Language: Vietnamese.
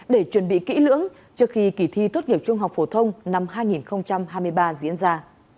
để chuẩn bị kỹ lưỡng trước khi kỳ thi tốt nghiệp trung học phổ thông năm hai nghìn hai mươi ba diễn ra